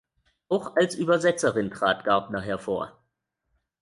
Auch als Übersetzerin trat Gardner hervor.